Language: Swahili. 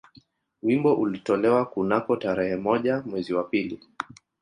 Wimbo ulitolewa kunako tarehe moja mwezi wa pili